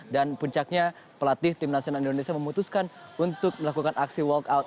dan puncaknya pelatih tim nasional indonesia memutuskan untuk melakukan aksi walkout